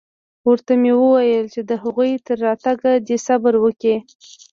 ورته مې وويل چې د هغوى تر راتگه دې صبر وکړي.